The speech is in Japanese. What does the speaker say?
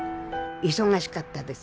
忙しかったです。